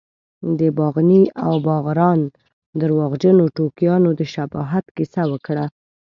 د باغني او باغران درواغجنو ټوکیانو د شباهت کیسه وکړه.